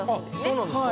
そうなんですか。